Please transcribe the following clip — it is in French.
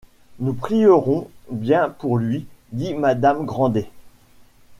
Nous prierons bien pour lui, dit madame Grandet.